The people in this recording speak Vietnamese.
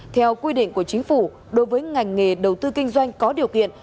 theo quy định của chính phủ đối với ngành nghề đầu tư kinh doanh có điều kiện